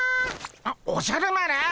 あっおじゃる丸！